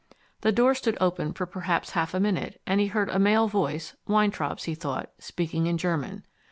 The door stood open for perhaps half a minute, and he heard a male voice Weintraub's, he thought speaking in German.